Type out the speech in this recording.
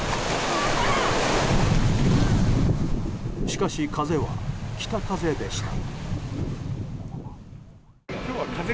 しかし、風は北風でした。